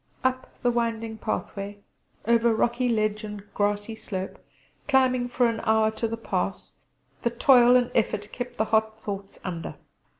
Up the winding pathway over rocky ledge and grassy slope, climbing for an hour to the pass, the toil and effort kept the hot thoughts under.